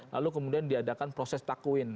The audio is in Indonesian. lalu kemudian diadakan proses takwin